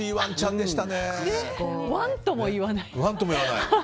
ワンとも言わない。